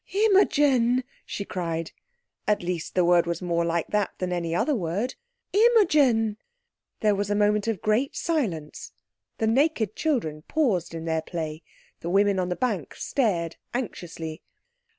"Imogen!" she cried—at least the word was more like that than any other word—"Imogen!" There was a moment of great silence; the naked children paused in their play, the women on the bank stared anxiously.